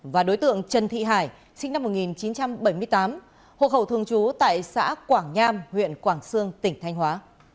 và đối tượng trần thị hải sinh năm một nghìn chín trăm bảy mươi tám hộ khẩu thường trú tại xã quảng nham huyện quảng sương tỉnh thanh hóa